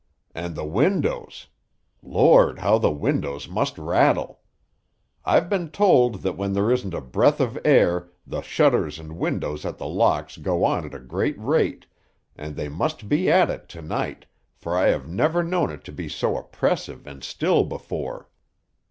"And the windows! Lord, how the windows must rattle! I've been told that when there isn't a breath of air the shutters and windows at The Locks go on at a great rate, and they must be at it to night, for I have never known it to be so oppressive and still before."